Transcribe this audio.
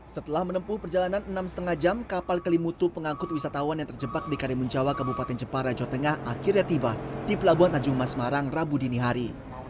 setelah menempuh perjalanan enam lima jam kapal kelimutu pengangkut wisatawan yang terjebak di karimun jawa kabupaten jepara jawa tengah akhirnya tiba di pelabuhan tanjung mas semarang rabu dini hari